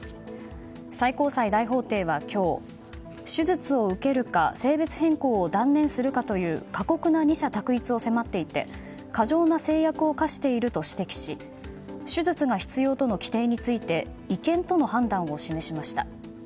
最高裁大法廷は今日手術を受けるか性別変更を断念するかという過酷な二者択一を迫っていて過剰な制約を課していると指摘し手術が必要との規定について違憲との判断を示しました。